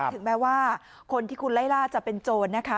ถึงแม้ว่าคนที่คุณไล่ล่าจะเป็นโจรนะคะ